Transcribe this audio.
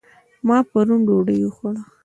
ما پرون ډوډۍ وخوړه